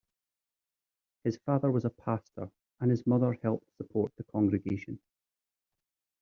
His father was a pastor and his mother helped support the congregation.